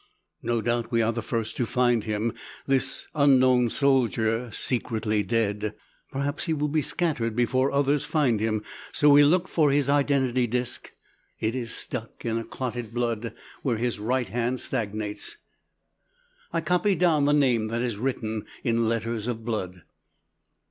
No doubt we are the first to find him, this unknown soldier secretly dead. Perhaps he will be scattered before others find him, so we look for his identity disc it is stuck in the clotted blood where his right hand stagnates. I copy down the name that is written in letters of blood.